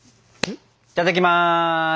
いただきます。